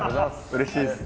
うれしいです。